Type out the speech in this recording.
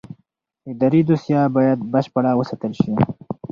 اداري دوسیه باید بشپړه وساتل شي.